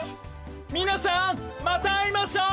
みなさんまたあいましょう！